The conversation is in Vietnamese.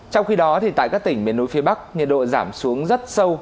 trong khi đó tại các tỉnh miền núi phía bắc nhiệt độ giảm xuống rất sâu